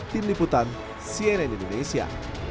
tim liputan cnn indonesia